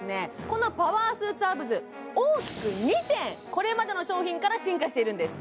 このパワースーツアブズ大きく２点これまでの商品から進化しているんです